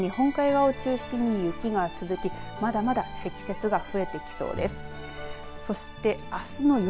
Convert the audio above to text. あすにかけても日本海側を中心に雪が続き、まだまだ積雪が増えてきそうです。